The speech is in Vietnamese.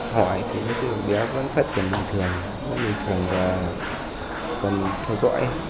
hỏi thì em bé vẫn phát triển bình thường rất bình thường và còn theo dõi